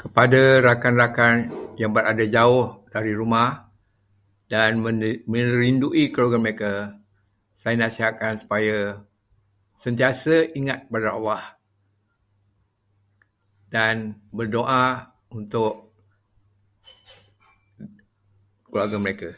Kepada rakan-rakan yang berada jauh dari rumah dan merindui keluarga mereka, saya nasihatkan supaya sentiasa ingat kepada Allah dan berdoa untuk keluarga mereka.